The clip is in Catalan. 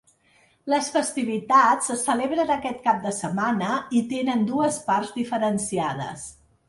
Les festivitats es celebren aquest cap de setmana i tenen dues parts diferenciades.